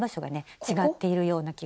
違っているような気がします。